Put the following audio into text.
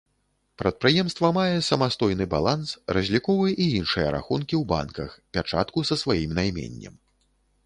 Прадпрыемства мае самастойны баланс, разліковы і іншыя рахункі ў банках, пячатку са сваім найменнем.